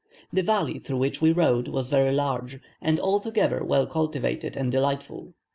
The valley through which we rode was very large, and altogether well cultivated and delightful.